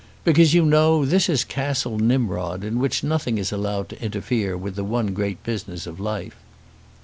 "Because you know this is Castle Nimrod, in which nothing is allowed to interfere with the one great business of life."